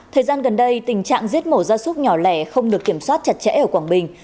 thời gian gần đây tình trạng giết mổ ra súc nhỏ lẻ không được kiểm soát chặt chẽ ở quảng bình